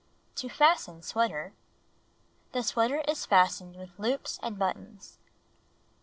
To Fasten Sweater The sweater is fastened with loops and buttons.